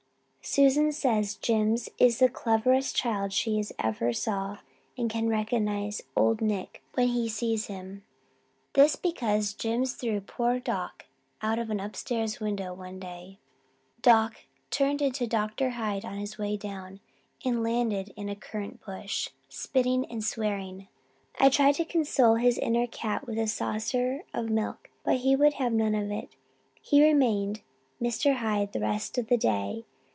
Susan says Jims is the cleverest child she ever saw and can recognize Old Nick when he sees him this because Jims threw poor Doc out of an upstairs window one day. Doc turned into Mr. Hyde on his way down and landed in a currant bush, spitting and swearing. I tried to console his inner cat with a saucer of milk but he would have none of it, and remained Mr. Hyde the rest of the day.